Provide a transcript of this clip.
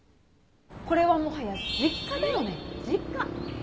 これはもはや実家だよね実家。